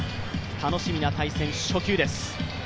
楽しみな対戦、初球です。